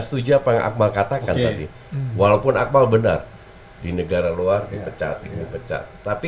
setuju apa yang akmal katakan ya walaupun akmal benar di negara luar dipecat pecat